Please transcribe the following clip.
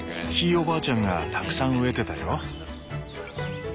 ひいおばあちゃんがたくさん植えてたよ。